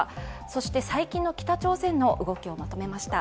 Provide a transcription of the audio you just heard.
そして最近の北朝鮮の動きをまとめました。